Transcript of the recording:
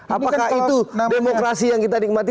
apakah itu demokrasi yang kita nikmati